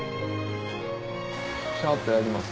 シャってやります？